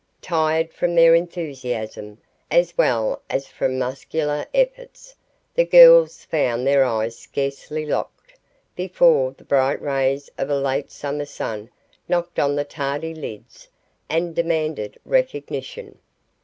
Tired from their enthusiasm, as well as from muscular efforts, the girls found their eyes scarcely "locked," before the bright rays of a late summer sun knocked on the tardy lids and demanded recognition.